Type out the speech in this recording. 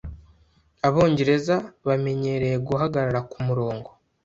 Abongereza bamenyereye guhagarara kumurongo.